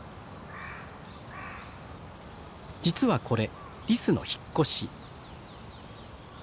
実はこれリスの引っ越し。